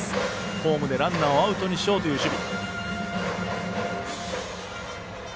ホームでランナーをアウトにしようという守備。